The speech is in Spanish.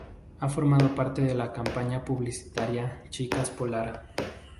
Ha formado parte de la campaña publicitaria Chicas Polar.